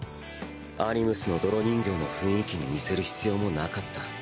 アニムスの泥人形の雰囲気に似せる必要もなかった。